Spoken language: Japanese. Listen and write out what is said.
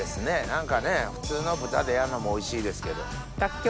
何かね普通の豚でやるのもおいしいですけど。